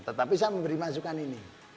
tetapi saya memberi masukan ini